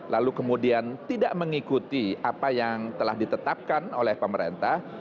lalu kemudian tidak mengikuti apa yang telah ditetapkan oleh pemerintah